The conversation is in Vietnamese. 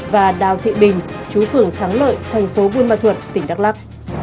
và đào thị bình chú phường thắng lợi thành phố buôn ma thuật tỉnh đắk lắc